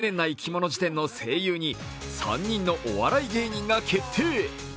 「ざんねんないきもの事典」の声優に３人のお笑い芸人が決定。